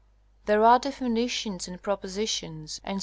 There are definitions and propositions, etc.